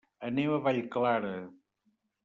Anem a Vallclara.